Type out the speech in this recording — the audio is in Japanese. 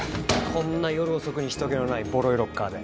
こんな夜遅くに人けのないボロいロッカーで。